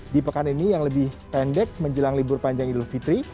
di pekan ini yang lebih pendek menjelang libur panjang idul fitri